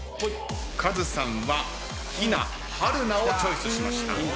カズさんは「陽菜陽菜」をチョイスしました。